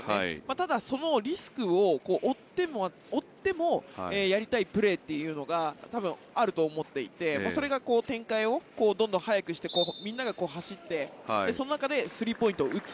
ただ、そのリスクを負ってもやりたいプレーというのが多分あると思っていてそれが展開をどんどん早くしてみんなが走ってその中でスリーポイントを打つ。